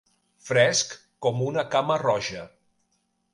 Fresc com una cama-roja.